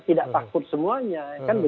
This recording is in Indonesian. tidak takut semuanya